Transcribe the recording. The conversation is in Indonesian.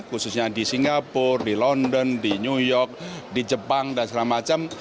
khususnya di singapura di london di new york di jepang dan segala macam